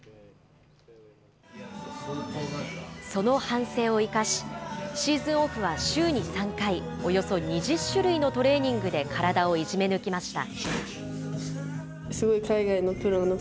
その反省を生かし、シーズンオフは週に３回、およそ２０種類のトレーニングで体をいじめ抜きました。